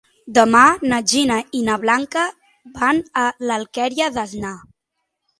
Demà na Gina i na Blanca van a l'Alqueria d'Asnar.